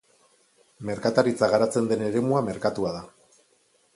Merkataritza garatzen den eremua merkatua da.